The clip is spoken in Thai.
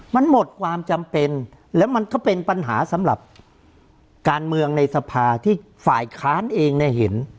มันหมดความจำเป็นแล้วมันก็เป็นปัญหาสำหรับการเมืองในสภาที่ฝ่ายค้านเองเนี่ยเห็น